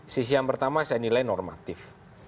sisi yang pertama saya nilai normatif